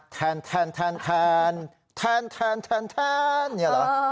แทนแทนแทนแทนแทนแทนแทนแทนแทนเนี่ยหรอเออ